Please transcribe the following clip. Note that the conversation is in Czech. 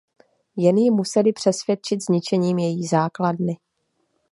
Jen ji museli "přesvědčit" zničením její základny.